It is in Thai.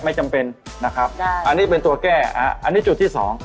ไม่จำเป็นนะครับจ้ะอันนี้เป็นตัวแก้อ่าอันนี้จุดที่สอง